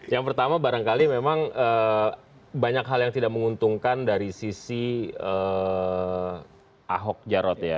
yang pertama barangkali memang banyak hal yang tidak menguntungkan dari sisi ahok jarot ya